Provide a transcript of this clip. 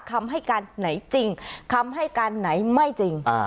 คำให้การไหนจริงคำให้การไหนไม่จริง